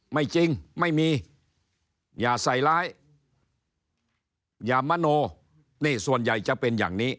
ไม่จริงไม่มีอย่าใส่ร้ายอย่ามโนนี่ส่วนใหญ่จะเป็นอย่างนี้